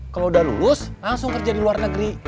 kalau udah lulus langsung kerja di luar negeri